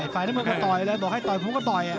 ฝ่ายมือก็ต่อยเลยบอกให้ต่อยผมก็ต่อย